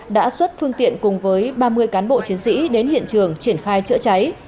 đã xuất phương tiện cùng với ba mươi cán bộ chiến sĩ đến hiện trường triển khai chữa cháy